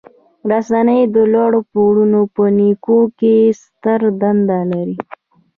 رسنۍ د لوړ پوړو په نیوکو کې ستره دنده لري.